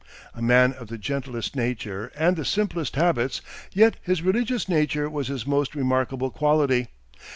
A man of the gentlest nature and the simplest habits; yet his religious nature was his most remarkable quality.